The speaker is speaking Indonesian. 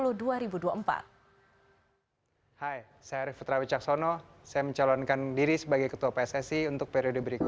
hai saya arief putra wicaksono saya mencalonkan diri sebagai ketua pssi untuk periode berikut